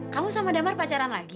kamu sama damar pacaran lagi